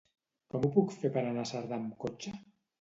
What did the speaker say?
Com ho puc fer per anar a Cerdà amb cotxe?